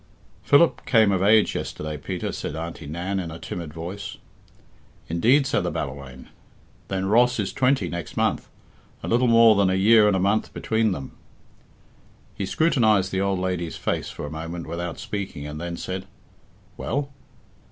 "Philip came of age yesterday, Peter," said Auntie Nan in a timid voice. "Indeed!" said the Ballawhaine, "then Ross is twenty next month. A little more than a year and a month between them." He scrutinised the old lady's face for a moment without speaking, and then said, "Well?"